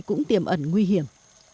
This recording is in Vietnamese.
cũng tiềm ẩn nguy hiểm